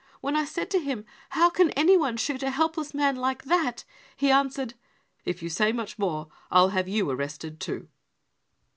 When I aid to him, how can anyone shoot a helpless man like 5 e amwered :' you say much more, I'll have you arrested too